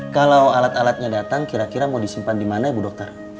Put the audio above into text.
kalau alat alatnya datang kira kira mau disimpan di mana ibu dokter